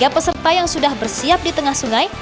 tiga peserta yang sudah bersiap di tengah sungai